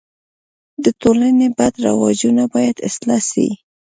د ټولني بد رواجونه باید اصلاح سي.